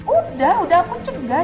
udah udah aku cegah